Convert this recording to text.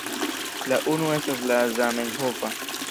La unu estas la zamenhofa.